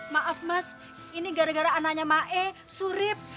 mas maaf mas ini gara gara anaknya ma e surit